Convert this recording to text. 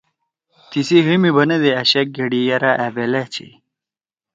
تیسی ہی می بنَدی أ شک گھیڑی یرأ أ بیلأ چھی۔